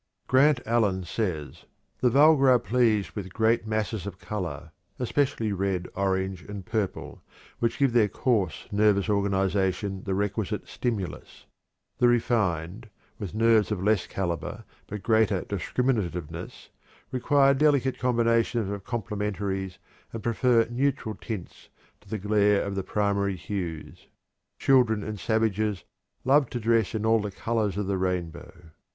Grant Allen says: "The vulgar are pleased with great masses of color, especially red, orange, and purple, which give their coarse, nervous organization the requisite stimulus. The refined, with nerves of less caliber, but greater discriminativeness, require delicate combinations of complementaries and prefer neutral tints to the glare of the primary hues. Children and savages love to dress in all the colors of the rainbow."